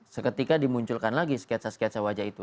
seketika dimunculkan lagi sketsa sketsa wajah itu